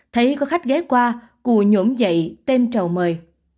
thấy có khách ghé qua cù nhổm dậy tem trầu mời